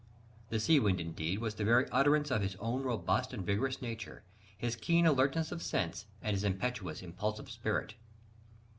The sea wind, indeed, was the very utterance of his own robust and vigorous nature, his keen alertness of sense, and his impetuous, impulsive spirit.